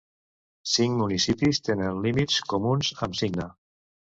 Cinc municipis tenen límits comuns amb Signa.